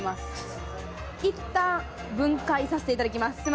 いったん分解させていただきます。